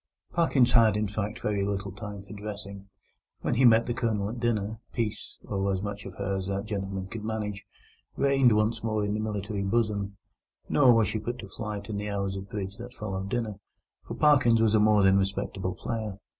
Parkins had, in fact, very little time for dressing. When he met the Colonel at dinner, Peace—or as much of her as that gentleman could manage—reigned once more in the military bosom; nor was she put to flight in the hours of bridge that followed dinner, for Parkins was a more than respectable player.